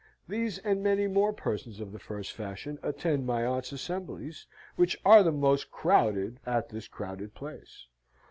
These and many more persons of the first fashion attend my aunt's assemblies, which are the most crowded at this crowded place.